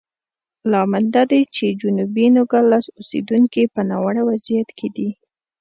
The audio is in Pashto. لامل دا دی چې جنوبي نوګالس اوسېدونکي په ناوړه وضعیت کې دي.